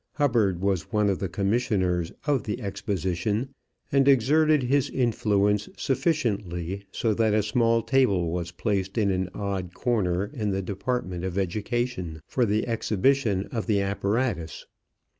Hubbard was one of the commissioners of the exposition, and exerted his influence sufficiently so that a small table was placed in an odd corner in the Department of Education for the exhibition of the apparatus.